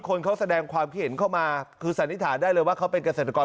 ทุกคนเขาแสดงความเห็นเข้ามาคือสันนิถาได้เลยว่าเขาเป็นแกรจกร